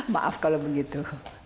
maaf kalau begitu